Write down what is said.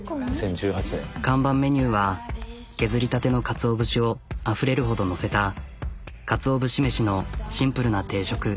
看板メニューは削りたてのかつお節をあふれるほど載せたかつお節めしのシンプルな定食。